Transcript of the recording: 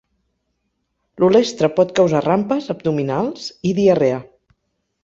L'olestra pot causar rampes abdominals i diarrea.